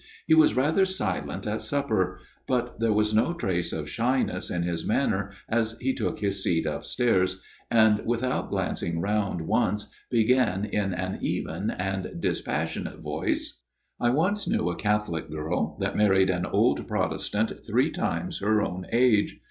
He was rather silent at supper ; but there was no trace of shyness in his manner as he took his seat upstairs, and 287 238 A MIRROR OF SHALOTT without glancing round once, began in an even and dispassionate voice :" I once knew a Catholic girl that married an old Protestant three times her own age.